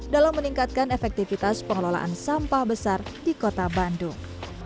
dalam meningkatkan efektivitas pengelolaan sampah besar di kota bandung